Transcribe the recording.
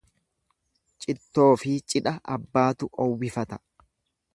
Cittoofi cidha abbaatu howwifata.